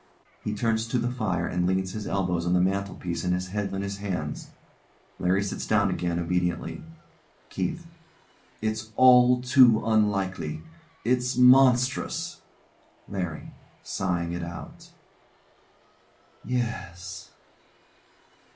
He turns to the fire and leans his elbows on the mantelpiece and his head on his hands. LARRY Sits down again obediently. KEITH. It's all too unlikely. It's monstrous! LARRY. [Sighing it out] Yes.